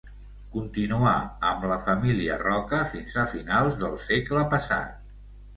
Continuà amb la família Roca fins a finals del segle passat.